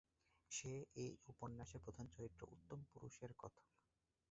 সে এই উপন্যাসের প্রধান চরিত্র, উত্তম পুরুষের কথক।